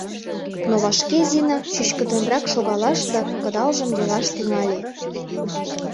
Но вашке Зина чӱчкыдынрак шогалаш да кыдалжым йыгаш тӱҥале.